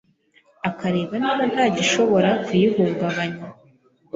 ukareba niba ntagishobora kuyihungabanya.